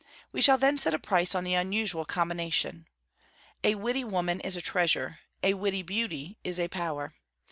We shall then set a price on the 'unusual combination.' A witty woman is a treasure; a witty Beauty is a power.